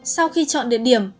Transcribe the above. sau khi chọn địa điểm